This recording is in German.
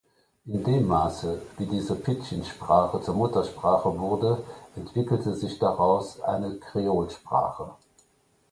In dem Maße, wie diese Pidgin-Sprache zur Muttersprache wurde, entwickelte sich daraus eine Kreolsprache.